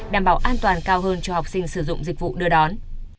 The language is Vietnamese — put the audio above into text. đảm bảo an toàn cao hơn cho học sinh sử dụng dịch vụ đưa đón